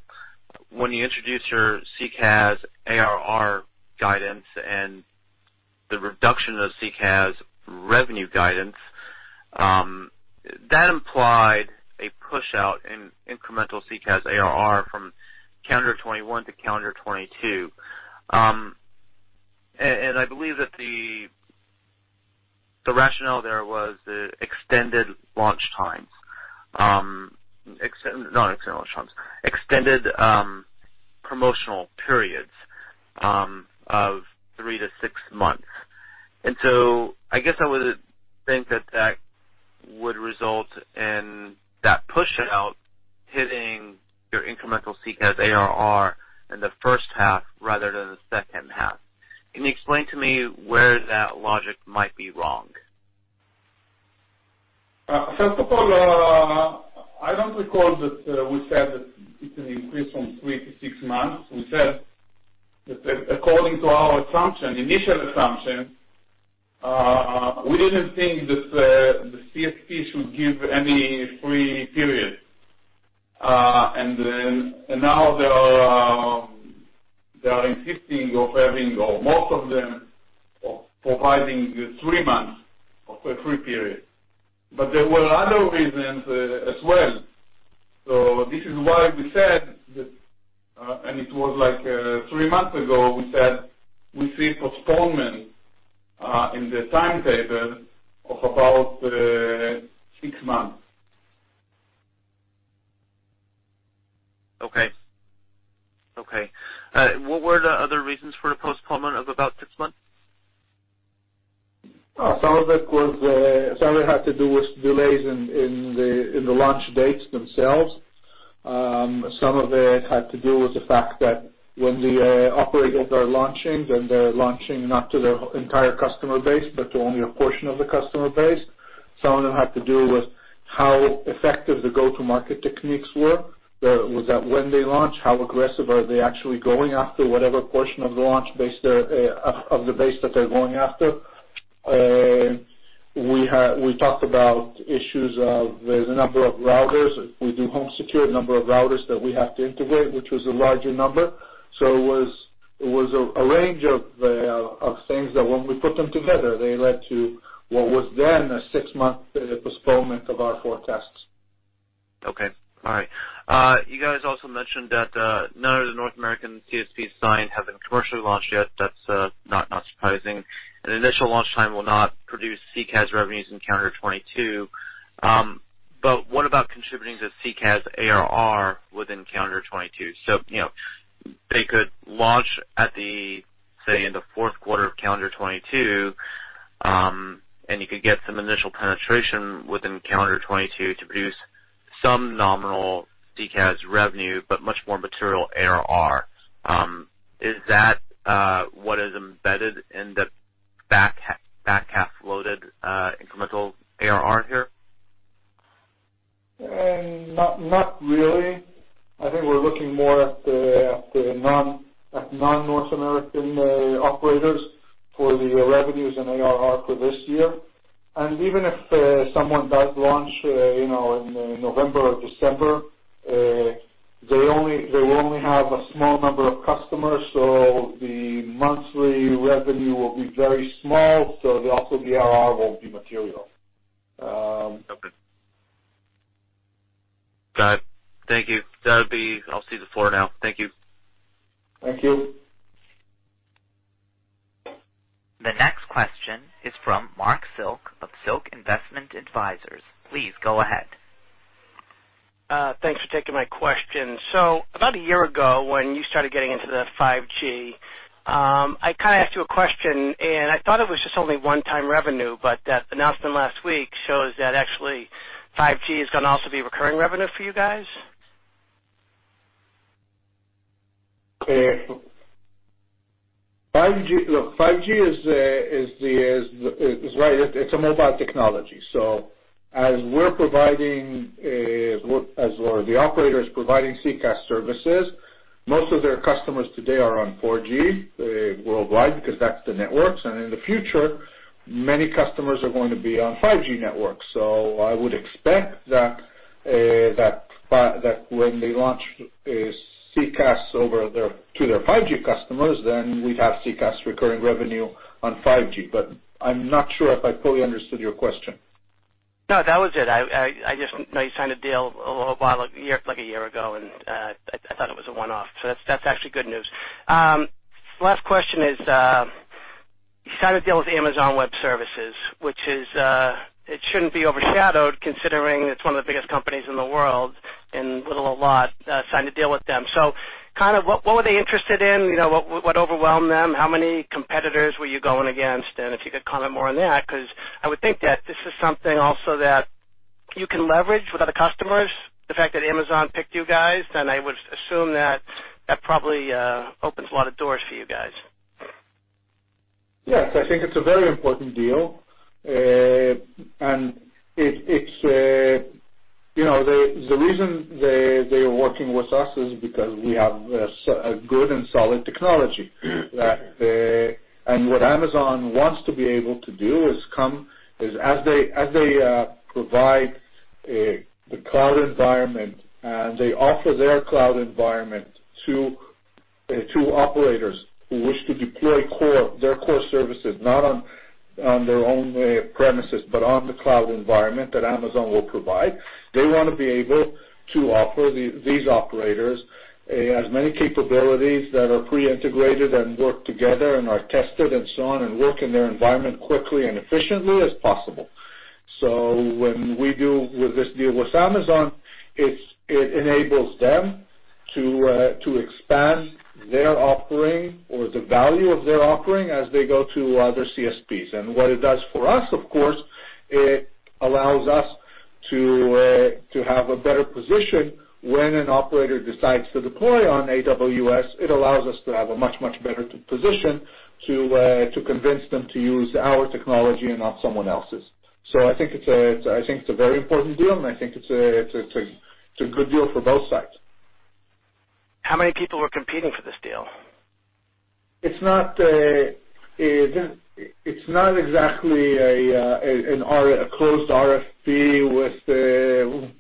when you introduced your SECaaS ARR guidance and the reduction of SECaaS revenue guidance, that implied a push out in incremental SECaaS ARR from calendar 2021 to calendar 2022. I believe that the rationale there was not extended launch times, but extended promotional periods of three to six months. I guess I would think that that would result in that push out hitting your incremental SECaaS ARR in the first half rather than the second half. Can you explain to me where that logic might be wrong? First of all, I don't recall that we said that it's an increase from three to six months. We said that according to our assumption, initial assumption, we didn't think that the CSP should give any free period. Now they are insisting on having, or most of them, on providing you three months of a free period. There were other reasons as well. This is why we said that, and it was like three months ago, we said we see postponement in the timetable of about six months. Okay, what were the other reasons for a postponement of about six months? Some of it was, some of it had to do with delays in the launch dates themselves. Some of it had to do with the fact that when the operators are launching, then they're launching not to the entire customer base, but to only a portion of the customer base. Some of it had to do with how effective the go-to-market techniques were. Was that when they launch, how aggressive are they actually going after whatever portion of the launch base they're of the base that they're going after? We talked about issues. There's a number of routers. If we do HomeSecure, number of routers that we have to integrate, which was a larger number. It was a range of things that when we put them together, they led to what was then a six-month postponement of our forecasts. Okay. All right. You guys also mentioned that none of the North American CSPs signed have been commercially launched yet. That's not surprising. An initial launch time will not produce CCaaS revenues in calendar 2022. But what about contributing to CCaaS ARR within calendar 2022? You know, they could launch at the, say, in the fourth quarter of calendar 2022, and you could get some initial penetration within calendar 2022 to produce some nominal CCaaS revenue, but much more material ARR. Is that what is embedded in the back-half loaded incremental ARR here? Not really. I think we're looking more at the non-North American operators for the revenues and ARR for this year. Even if someone does launch, you know, in November or December, they will only have a small number of customers, so the monthly revenue will be very small, so also the ARR won't be material. Okay. Got it. Thank you. That'll be. I'll cede the floor now. Thank you. Thank you. The next question is from Marc Silk of Silk Investment Advisors. Please go ahead. Thanks for taking my question. About a year ago, when you started getting into the 5G, I kinda asked you a question, and I thought it was just only one-time revenue, but that announcement last week shows that actually 5G is gonna also be recurring revenue for you guys. Look, 5G is the right. It's a mobile technology. As we're providing, as well as the operator is providing CCaaS services, most of their customers today are on 4G worldwide because that's the networks. In the future, many customers are going to be on 5G networks. I would expect that when they launch CCaaS to their 5G customers, then we'd have CCaaS recurring revenue on 5G. I'm not sure if I fully understood your question. No, that was it. I just know you signed a deal a while, like a year ago, and I thought it was a one-off. That's actually good news. Last question is, you signed a deal with Amazon Web Services, which is, it shouldn't be overshadowed considering it's one of the biggest companies in the world, and Allot signed a deal with them. Kind of what were they interested in? You know, what overwhelmed them? How many competitors were you going against? And if you could comment more on that, 'cause I would think that this is something also that you can leverage with other customers, the fact that Amazon picked you guys, then I would assume that that probably opens a lot of doors for you guys. Yes. I think it's a very important deal. You know, the reason they are working with us is because we have a good and solid technology that. What Amazon wants to be able to do is, as they provide the cloud environment, and they offer their cloud environment to operators who wish to deploy their core services, not on their own premises, but on the cloud environment that Amazon will provide. They wanna be able to offer these operators as many capabilities that are pre-integrated and work together and are tested and so on and work in their environment quickly and efficiently as possible. When we do with this deal with Amazon, it enables them to expand their offering or the value of their offering as they go to other CSPs. What it does for us, of course, it allows us to have a better position. When an operator decides to deploy on AWS, it allows us to have a much better position to convince them to use our technology and not someone else's. I think it's a very important deal, and it's a good deal for both sides. How many people were competing for this deal? It's not exactly a closed RFP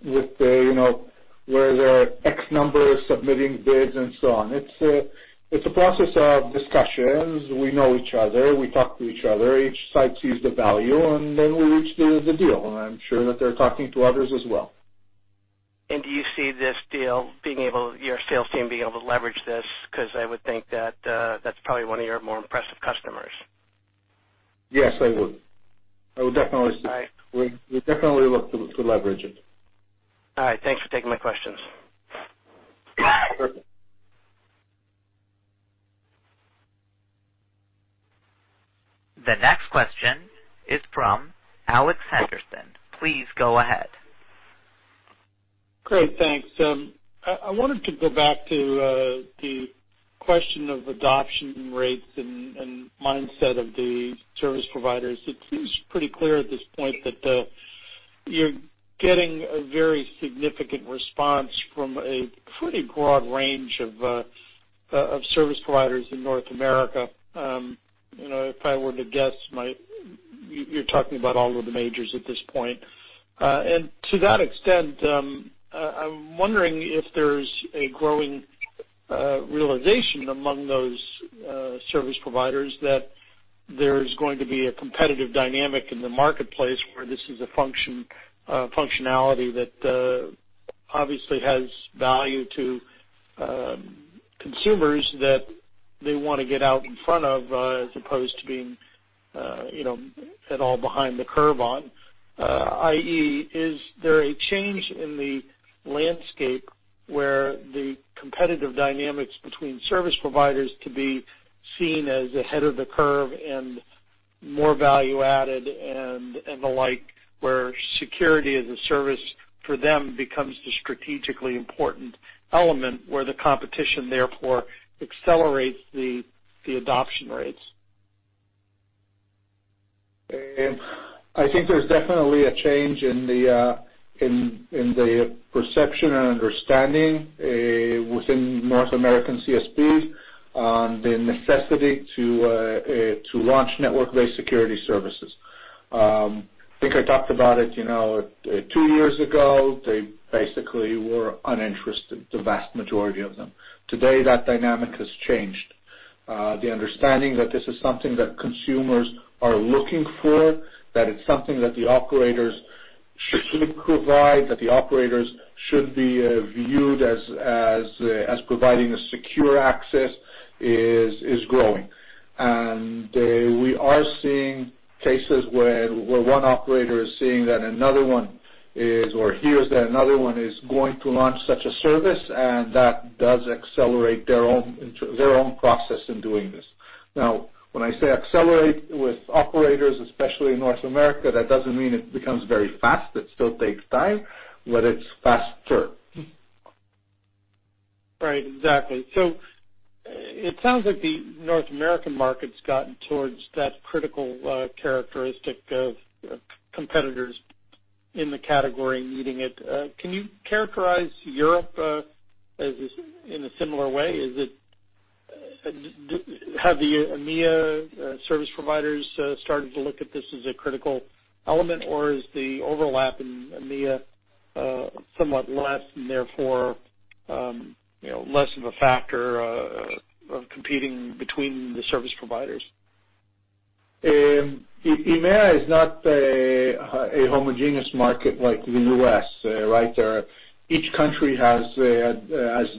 with, you know, where there are X number submitting bids and so on. It's a process of discussions. We know each other. We talk to each other. Each side sees the value, and then we reach the deal. I'm sure that they're talking to others as well. Do you see this deal being able, your sales team being able to leverage this? 'Cause I would think that's probably one of your more impressive customers. Yes, I would definitely say. All right. We definitely look to leverage it. All right. Thanks for taking my questions. Perfect. The next question is from Alex Henderson. Please go ahead. Great. Thanks. I wanted to go back to the question of adoption rates and mindset of the service providers. It seems pretty clear at this point that you're getting a very significant response from a pretty broad range of service providers in North America. You know, if I were to guess, you're talking about all of the majors at this point. To that extent, I'm wondering if there's a growing realization among those service providers that there's going to be a competitive dynamic in the marketplace where this is a functionality that obviously has value to consumers that they wanna get out in front of, as opposed to being, you know, at all behind the curve on. I.e., is there a change in the landscape where the competitive dynamics between service providers to be seen as ahead of the curve and more value added and the like, where security as a service for them becomes the strategically important element, where the competition therefore accelerates the adoption rates? I think there's definitely a change in the perception and understanding within North American CSPs on the necessity to launch network-based security services. I think I talked about it, you know, two years ago, they basically were uninterested, the vast majority of them. Today, that dynamic has changed. The understanding that this is something that consumers are looking for, that it's something that the operators should provide, that the operators should be viewed as providing a secure access is growing. We are seeing cases where one operator is seeing that another one is or hears that another one is going to launch such a service, and that does accelerate their own process in doing this. Now, when I say accelerate with operators, especially in North America, that doesn't mean it becomes very fast. It still takes time, but it's faster. Right. Exactly. It sounds like the North American market's gotten towards that critical characteristic of competitors in the category meeting it. Can you characterize Europe as this in a similar way? Have the EMEA service providers started to look at this as a critical element, or is the overlap in EMEA somewhat less and therefore, you know, less of a factor of competing between the service providers? EMEA is not a homogeneous market like the U.S., right? Each country has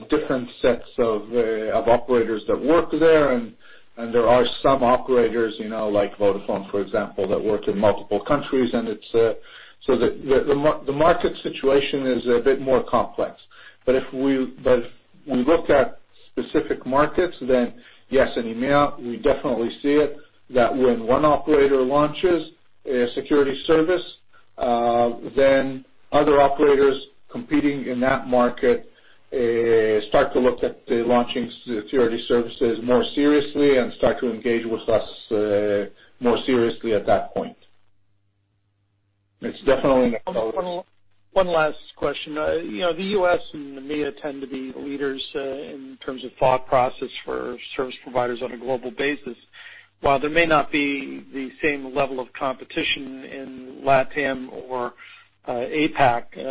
different sets of operators that work there. There are some operators, you know, like Vodafone, for example, that work in multiple countries. It's the market situation is a bit more complex. If we look at specific markets, then yes, in EMEA we definitely see it, that when one operator launches a security service, then other operators competing in that market start to look at launching security services more seriously and start to engage with us more seriously at that point. It's definitely the case. One last question. You know, the U.S. and EMEA tend to be leaders in terms of thought process for service providers on a global basis. While there may not be the same level of competition in LATAM or APAC, you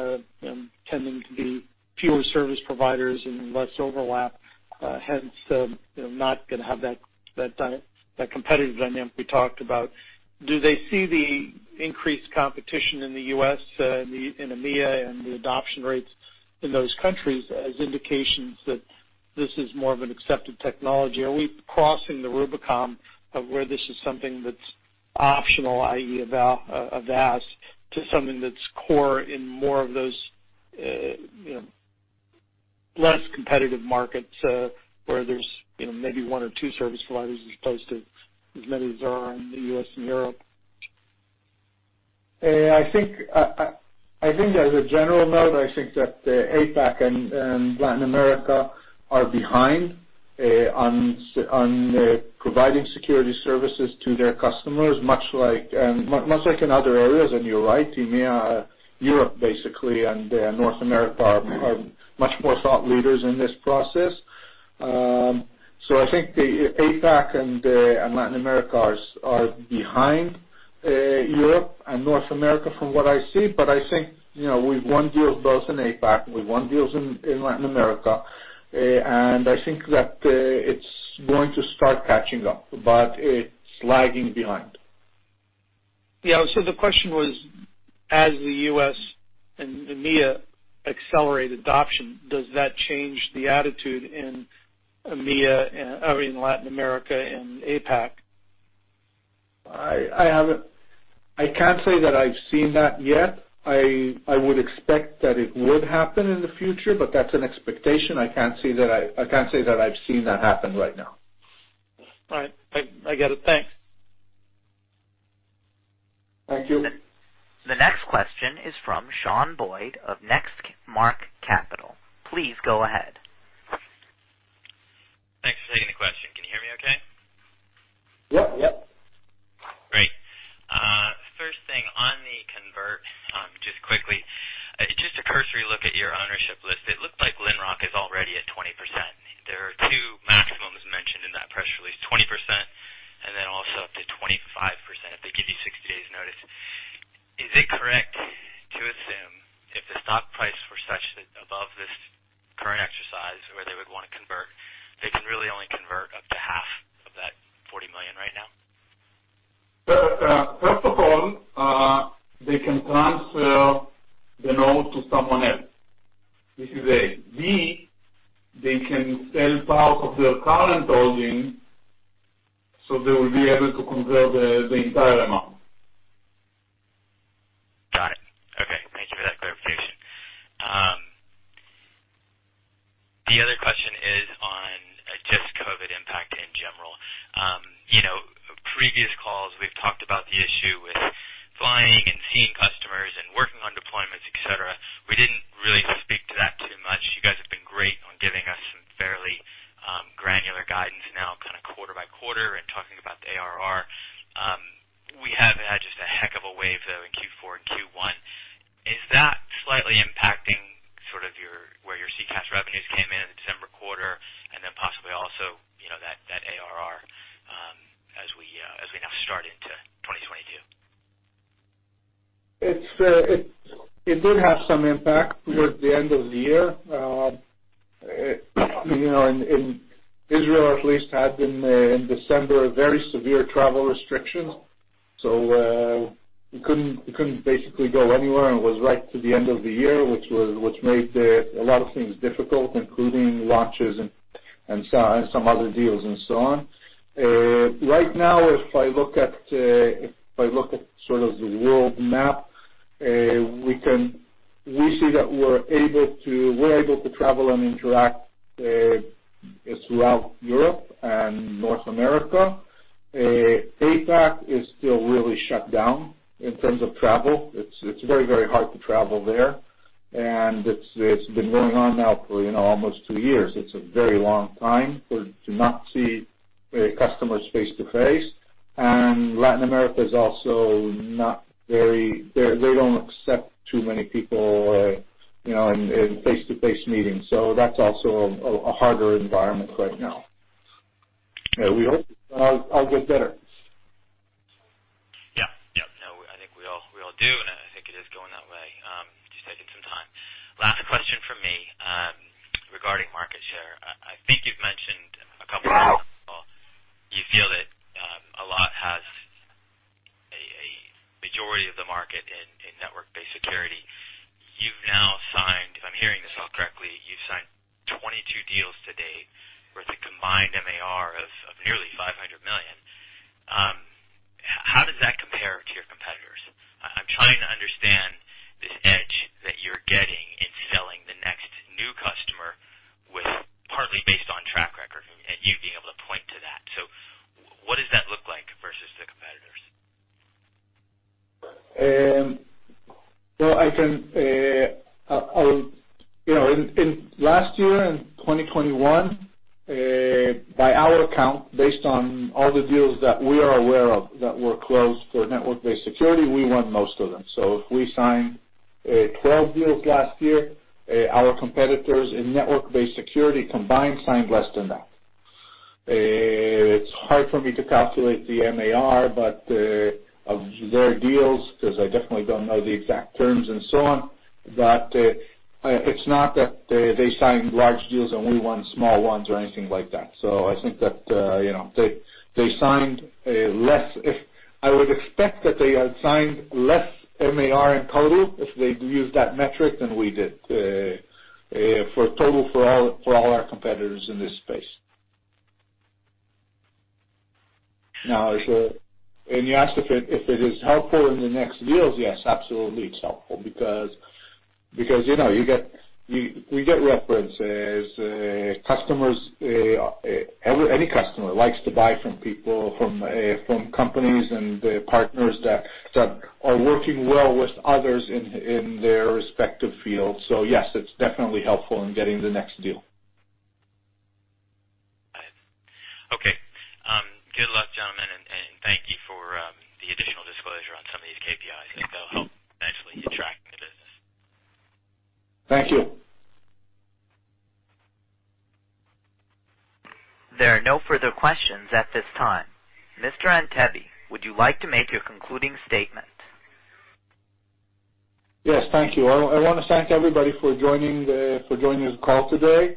know, tending to be fewer service providers and less overlap, hence, you know, not gonna have that competitive dynamic we talked about. Do they see the increased competition in the U.S., in EMEA and the adoption rates in those countries as indications that this is more of an accepted technology? Are we crossing the Rubicon of where this is something that's optional, i.e., a VAS, to something that's core in more of those, you know, less competitive markets, where there's, you know, maybe one or two service providers as opposed to as many as there are in the U.S. and Europe? I think as a general note, I think that the APAC and Latin America are behind on providing security services to their customers, much like in other areas. You're right, EMEA, Europe basically and North America are much more thought leaders in this process. I think the APAC and Latin America are behind Europe and North America from what I see. I think, you know, we've won deals both in APAC, we've won deals in Latin America. I think that it's going to start catching up, but it's lagging behind. Yeah. The question was, as the U.S. and EMEA accelerate adoption, does that change the attitude in EMEA or in Latin America and APAC? I can't say that I've seen that yet. I would expect that it would happen in the future, but that's an expectation. I can't say that I've seen that happen right now. All right. I get it. Thanks. Thank you. The next question is from Sean Boyd of NextMark Capital. Please go ahead. Thanks for taking the question. Can you hear me okay? Yep. Yep. Great. First thing on the convertible, just quickly. Just a cursory look at your ownership list, it looked like Lynrock is already at 20%. There are two maximums mentioned in that press release, 20% and then also up to 25% if they give you 60 days notice. Is it correct to assume if the stock price, they can really only convert up to half of that $40 million right now? First of all, they can transfer the node to someone else. This is A. B, they can sell part of their current holding, so they will be able to convert the entire amount. Got it. Okay, thank you for that clarification. The other question is on just COVID-19 impact in general. You know, previous calls, we've talked about the issue with flying and seeing customers and working on deployments, et cetera. We didn't really speak to that too much. You guys have been great on giving us some fairly granular guidance now kinda quarter by quarter and talking about the ARR. We have had just a heck of a wave, though, in Q4 and Q1. Is that slightly impacting sort of your, where your CCaaS revenues came in in the December quarter, and then possibly also, you know, that ARR as we now start into 2022? It did have some impact towards the end of the year. You know, in Israel at least had been in December very severe travel restrictions. You couldn't basically go anywhere, and it was right to the end of the year, which made a lot of things difficult, including launches and some other deals and so on. Right now, if I look at sort of the world map, we see that we're able to travel and interact throughout Europe and North America. APAC is still really shut down in terms of travel. It's very hard to travel there. It's been going on now for you know almost two years. It's a very long time for to not see customers face-to-face. Latin America is also not very. They don't accept too many people in face-to-face meetings. That's also a harder environment right now. Yeah, we hope all get better. Yeah. Yeah. No, I think we all do, and I think it is going that way. Just taking some time. Last question from me, regarding market share. I think you've mentioned a couple times now you feel that Allot has a majority of the market in network-based security. You've now signed, if I'm hearing this all correctly, you've signed 22 deals to date with a combined MAR of nearly $500 million. How does that compare to your competitors? I am trying to understand this edge that you are getting in selling the next new customer with partly based on track record and you being able to point to that. What does that look like versus the competitors? Well, I can, you know, in last year, in 2021, by our count, based on all the deals that we are aware of that were closed for network-based security, we won most of them. If we signed 12 deals last year, our competitors in network-based security combined signed less than that. It's hard for me to calculate the MAR, but of their deals, 'cause I definitely don't know the exact terms and so on. It's not that they signed large deals and we won small ones or anything like that. I think that, you know, they signed less. I would expect that they had signed less MAR in total if they'd used that metric than we did, for all our competitors in this space. Now, you asked if it is helpful in the next deals, yes, absolutely it's helpful because, you know, we get references. Customers, any customer likes to buy from people from companies and the partners that are working well with others in their respective fields. Yes, it's definitely helpful in getting the next deal. Got it. Okay. Good luck, gentlemen, and thank you for the additional disclosure on some of these KPIs. I think they'll help actually in tracking the business. Thank you. There are no further questions at this time. Mr. Antebi, would you like to make your concluding statement? Yes, thank you. I wanna thank everybody for joining the call today.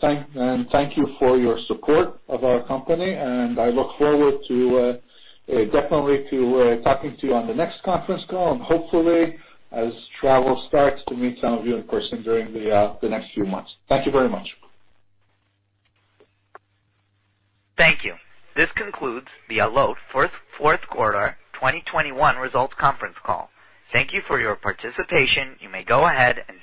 Thank you for your support of our company, and I look forward to definitely talking to you on the next conference call and hopefully as travel starts, to meet some of you in person during the next few months. Thank you very much. Thank you. This concludes the Allot fourth quarter 2021 results conference call. Thank you for your participation. You may go ahead and